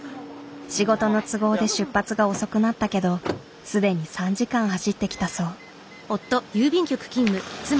仕事の都合で出発が遅くなったけど既に３時間走ってきたそう。